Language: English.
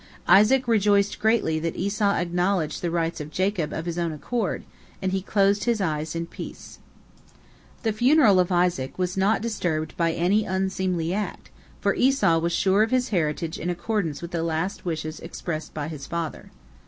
Isaac rejoiced greatly that Esau acknowledged the rights of Jacob of his own accord, and he closed his eyes in peace. The funeral of Isaac was not disturbed by any unseemly act, for Esau was sure of his heritage in accordance with the last wishes expressed by his father.